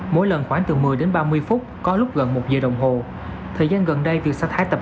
mỗi lần khoảng từ một mươi đến ba mươi phút có lúc gần một giờ đồng hồ thời gian gần đây việc sa thải tập